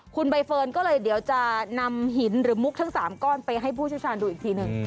คุณใบเฟิร์นก็เลยเดี๋ยวจะนำหินหรือมุกทั้ง๓ก้อนไปให้ผู้เชี่ยวชาญดูอีกทีหนึ่ง